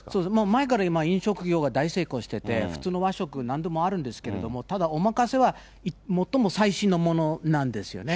前から飲食業が大成功してて、普通の和食、なんでもあるんですけど、ただおまかせは最も最新のものなんですよね。